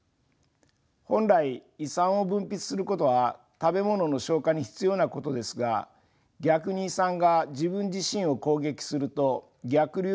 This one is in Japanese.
本来胃酸を分泌することは食べ物の消化に必要なことですが逆に胃酸が自分自身を攻撃すると逆流性